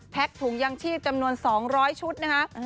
แพ็คถุงยางชีพจำนวน๒๐๐ชุดนะครับ